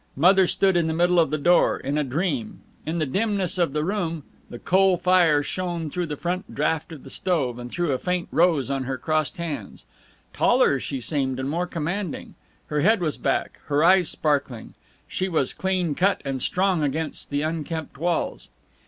Mother stood in the middle of the floor, in a dream. In the dimness of the room the coal fire shone through the front draught of the stove, and threw a faint rose on her crossed hands. Taller she seemed, and more commanding. Her head was back, her eyes sparkling. She was clean cut and strong against the unkempt walls.